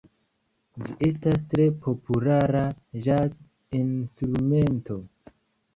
Ĝi estas tre populara ĵaz-instrumento.